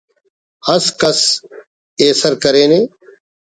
اس کس ایسر کرینے